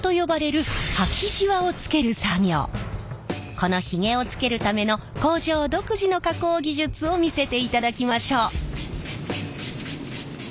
このヒゲをつけるための工場独自の加工技術を見せていただきましょう！